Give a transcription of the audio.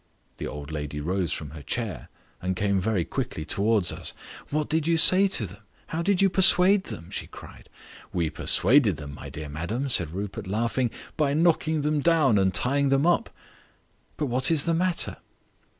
The old lady rose from her chair and came very quickly towards us. "What did you say to them? How did you persuade them?" she cried. "We persuaded them, my dear madam," said Rupert, laughing, "by knocking them down and tying them up. But what is the matter?"